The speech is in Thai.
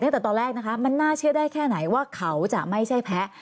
ตั้งแต่ตอนแรกนะคะมันน่าเชื่อได้แค่ไหนว่าเขาจะไม่ใช่แพ้